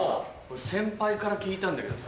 先輩から聞いたんだけどさ。